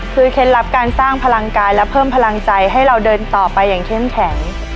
คือเคล็ดลับการสร้างพลังกายและเพิ่มพลังใจให้เราเดินต่อไปอย่างเข้มแข็ง